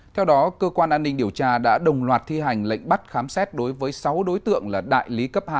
theo đó cơ quan an ninh điều tra đã đồng loạt thi hành lệnh bắt khám xét đối với sáu đối tượng là đại lý cấp hai